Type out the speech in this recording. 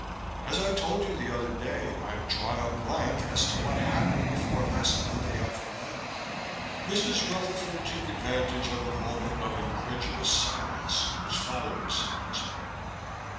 As I told you the other day, I've drawn a blank as to what happened before last Monday afternoon." Mrs. Rutherford took advantage of the moment of incredulous silence which followed this announcement.